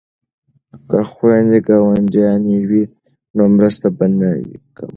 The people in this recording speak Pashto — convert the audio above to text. که خویندې ګاونډیانې وي نو مرسته به نه وي کمه.